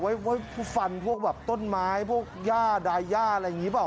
ไว้ฟันพวกแบบต้นไม้พวกย่าดายย่าอะไรอย่างนี้เปล่า